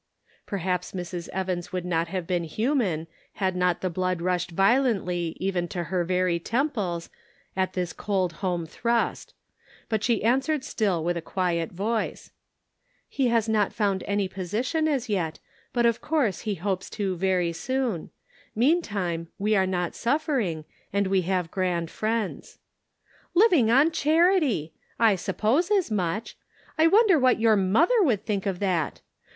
Perhaps Mrs. Evans would not have been Shirking Responsibility. 441 human had not the blood rushed violently even to her very temples at this cold home thrust : but she answered still with a quiet voice :" He has not found any position as yet, but of course he hopes to very soon ; meantime, we are not suffering, and we have grand friends." "Living on charity! I suppose as much. I wonder what your mother would think of that?